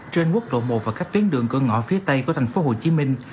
trên quốc độ một và khách tuyến đường cửa ngõ phía tây của thành phố hồ chí minh